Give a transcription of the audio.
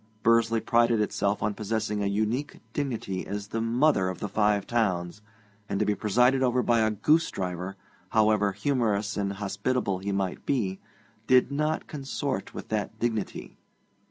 Bursley prided itself on possessing a unique dignity as the 'Mother of the Five Towns,' and to be presided over by a goosedriver, however humorous and hospitable he might be, did not consort with that dignity.